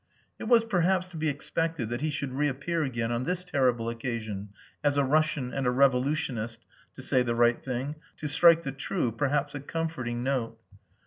It was perhaps to be expected that he should reappear again on this terrible occasion, as a Russian and a revolutionist, to say the right thing, to strike the true, perhaps a comforting, note.